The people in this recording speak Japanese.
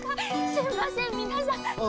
すいません皆さん。